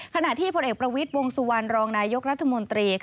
ขณะที่ผลเอกประวิทย์วงสุวรรณรองนายกรัฐมนตรี